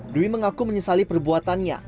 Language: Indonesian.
dewi mengaku menyesali perbuatannya